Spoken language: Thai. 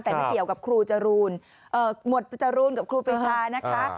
แต่ไม่เกี่ยวกับครูจรูนหมวดจรูนกับครูปีชานะคะ